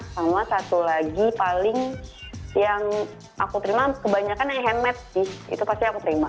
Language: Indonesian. sama satu lagi paling yang aku terima kebanyakan yang handmade sih itu pasti aku terima